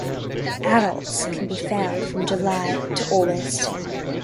Adults can be found from July to August.